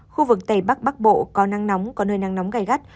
khu vực tây bắc bắc bộ có năng nóng có nơi năng nóng gai gắt